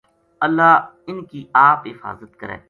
اللہ اِنھ کی آپ حفاظت کرے